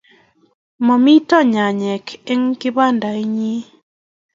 Mamito nyanyek eng' kibandait nyin